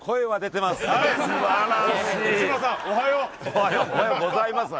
おはようございますだ。